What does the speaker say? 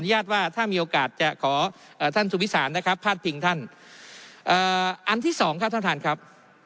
อันที่สองครับท่านประธานครับ